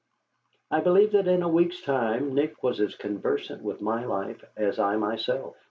I believe that in a week's time Nick was as conversant with my life as I myself.